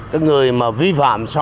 các người mà vi phạm